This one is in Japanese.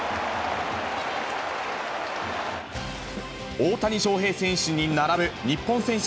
大谷翔平選手に並ぶ日本選手